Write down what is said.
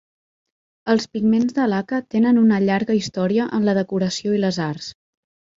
Els pigments de laca tenen una llarga història en la decoració i les arts.